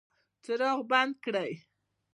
څراغ بند کړئ